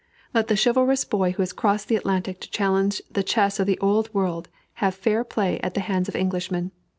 Let the chivalrous boy who has crossed the Atlantic to challenge the chess of the Old World have fair play at the hands of Englishmen.